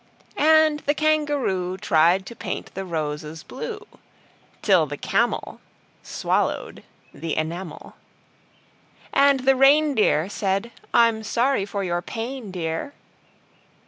And the Kangaroo Tried to paint the Roses blue Till the Camel Swallowed the Enamel. And the Reindeer Said: "I'm sorry for your pain, dear!"